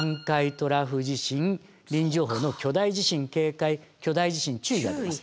トラフ地震臨時情報の巨大地震警戒巨大地震注意が出ます。